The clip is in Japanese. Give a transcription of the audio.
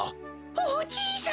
おじいさん！